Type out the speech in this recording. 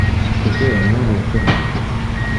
Que Deo non lo permitte!